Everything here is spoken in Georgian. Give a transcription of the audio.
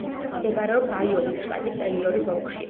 მდებარეობს აიოვის შტატის ტეილორის ოლქში.